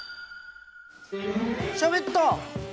しゃべった！